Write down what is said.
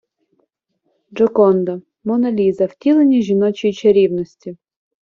Джоконда, Монна Ліза - втілення жіночої чарівності